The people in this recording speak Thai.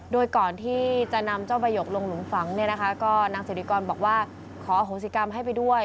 โดยก่อนที่จะนำเจ้าใบกลงหลุมฝังเนี่ยนะคะก็นางสิริกรบอกว่าขออโหสิกรรมให้ไปด้วย